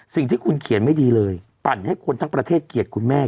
สิ่งที่คุณเขียนไม่ดีเลยปั่นให้คนทั้งประเทศเกลียดคุณแม่